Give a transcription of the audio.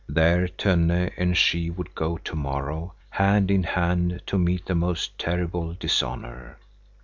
There Tönne and she would go to morrow hand in hand to meet the most terrible dishonor.